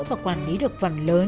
và quản lý được phần lớn